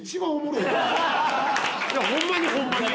いやホンマにホンマに。